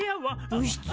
部室？